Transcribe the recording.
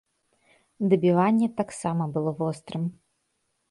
Дабіванне таксама было вострым.